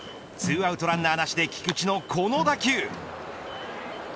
２アウトランナーなしで菊池のこの打球。